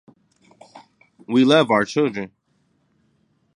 We love our children.